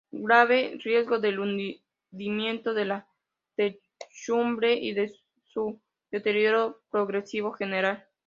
Grave riesgo del hundimiento de la techumbre y de su deterioro progresivo general.